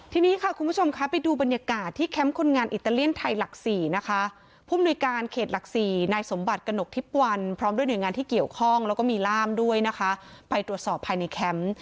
ทีนี้ค่ะคุณผู้ชมคะไปดูบรรยากาศที่แคมป์คนงานอิตาเลียนไทยหลักสี่นะคะผู้มนุยการเขตหลัก๔นายสมบัติกระหนกทิพย์วันพร้อมด้วยหน่วยงานที่เกี่ยวข้องแล้วก็มีล่ามด้วยนะคะไปตรวจสอบภายในแคมป์